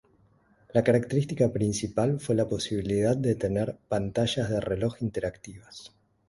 La característica principal fue la posibilidad de tener pantallas de reloj interactivas.